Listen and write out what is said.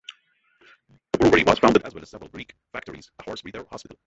A brewery was founded as well as several brick factories, a horse breeder, hospital.